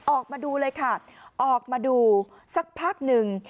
ออกมาดูเลยค่ะออกมาดูสักพักหนึ่ง